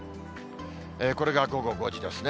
これが午後５時ですね。